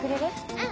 うん。